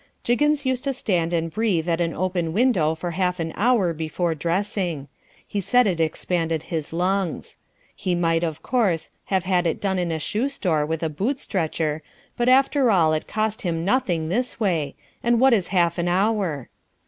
Jiggins used to stand and breathe at an open window for half an hour before dressing. He said it expanded his lungs. He might, of course, have had it done in a shoe store with a boot stretcher, but after all it cost him nothing this way, and what is half an hour?